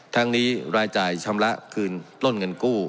ทั้งนี้รายจ่ายชำระคืนปล้นเงินกู้